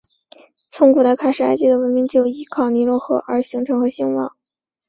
从古代开始埃及的文明就依靠尼罗河而形成和兴旺。